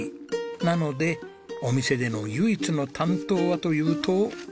なのでお店での唯一の担当はというと。